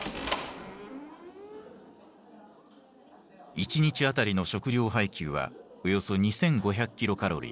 １日当たりの食糧配給はおよそ２，５００キロカロリー。